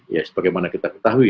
ya sebagaimana kita ketahui